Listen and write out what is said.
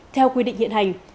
theo quy định hiện hành